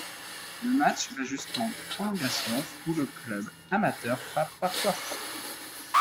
Le match va jusqu'en prolongations où le club amateur frappe par trois fois.